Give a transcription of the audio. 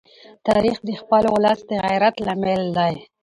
تاریخ د خپل ولس د غیرت لامل دی.